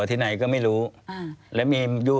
ควิทยาลัยเชียร์สวัสดีครับ